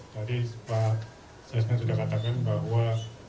tadi pak sesman sudah katakan bahwa